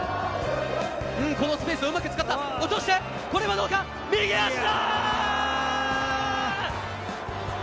このスペースをうまく使った、落として、右足だ！